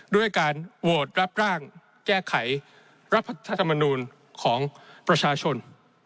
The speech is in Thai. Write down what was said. ด้วยการโหวตรับร่างแก้ไขรัฐธรรมนูลของประชาชน